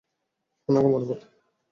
ওনাকে মনে পড়ে?